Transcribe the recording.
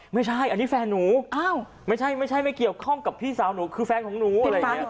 ไม่ใช่อันนี้แฟนหนูไม่ใช่ไม่ใช่ไม่เกี่ยวข้องกับพี่สาวหนูคือแฟนของหนูอะไรอย่างนี้